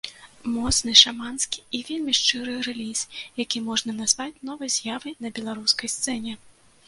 Моцны, шаманскі і вельмі шчыры рэліз, які можна назваць новай з'явай на беларускай сцэне.